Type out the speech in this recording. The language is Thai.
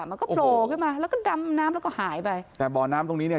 มันก็โผล่ขึ้นมาแล้วก็ดำน้ำแล้วก็หายไปแต่บ่อน้ำตรงนี้เนี่ย